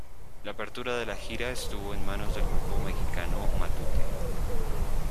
La apertura de la gira estuvo en manos del grupo mexicano Matute.